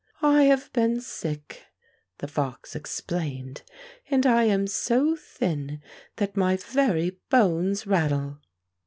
" I have been sick," the fox explained, " and I am so thin that my very bones rattle."